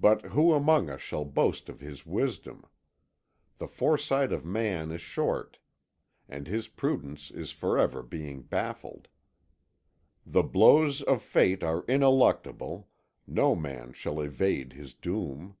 But who among us shall boast of his wisdom? The foresight of man is short, and his prudence is for ever being baffled. The blows of fate are ineluctable; no man shall evade his doom.